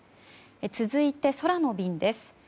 続いて、空の便です。